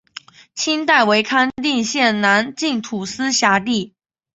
清代为康定县南境土司辖地。